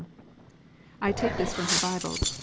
I take this from her Bibles.